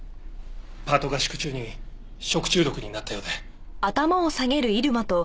パート合宿中に食中毒になったようで。